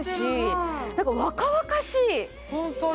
ホントに！